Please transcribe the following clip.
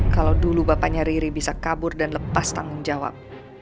kalau dulu bapaknya riri bisa kabur dan lepas tanggung jawab